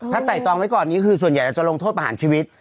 ถ้าไต่ตองไว้ก่อนนี้คือส่วนใหญ่เราจะลงโทษประหารชีวิต